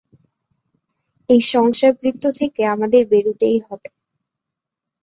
এই সংসার বৃত্ত থেকে আমাদের বেরুতেই হবে।